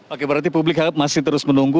oke berarti publik masih terus menunggu